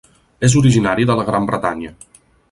És originari de la Gran Bretanya.